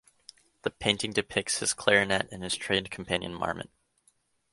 The painting depicts his clarinet and his trained companion marmot.